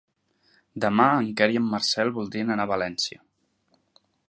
Demà en Quer i en Marcel voldrien anar a València.